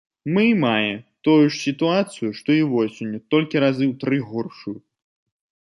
Мы мае тую ж сітуацыю, што і восенню, толькі разы ў тры горшую.